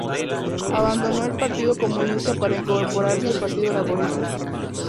Abandonó el Partido Comunista para incorporarse al Partido Laborista.